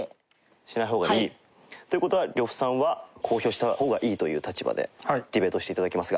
しない方がいい。という事は呂布さんは公表した方がいいという立場でディベートして頂きますが。